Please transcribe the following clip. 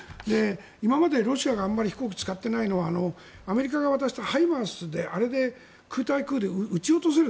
今までロシアがあまり飛行機を使ってないのはアメリカが渡したＨＩＭＡＲＳで空対空で撃ち落とせる。